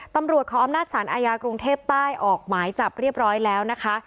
ขออำนาจสารอาญากรุงเทพใต้ออกหมายจับเรียบร้อยแล้วนะคะ